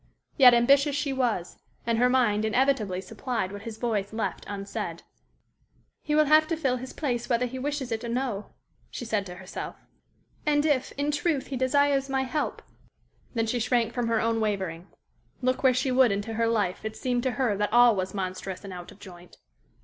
Yet, ambitious she was, and her mind inevitably supplied what his voice left unsaid. "He will have to fill his place whether he wishes it or no," she said to herself. "And if, in truth, he desires my help " Then she shrank from her own wavering. Look where she would into her life, it seemed to her that all was monstrous and out of joint.